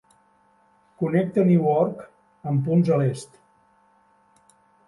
Connecta Newark amb punts a l'est.